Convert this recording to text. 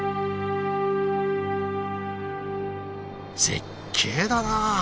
絶景だなあ！